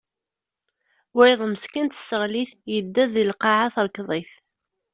Wayeḍ meskin tesseɣli-t, yedded di lqaɛa, terkeḍ-it.